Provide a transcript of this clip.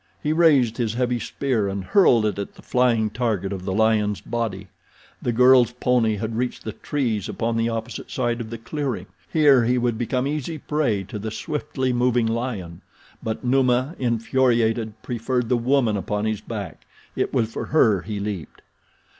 He raised his heavy spear and hurled it at the flying target of the lion's body. The girl's pony had reached the trees upon the opposite side of the clearing. Here he would become easy prey to the swiftly moving lion; but Numa, infuriated, preferred the woman upon his back. It was for her he leaped.